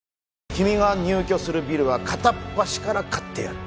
君が入居するビルは片っ端から買ってやる。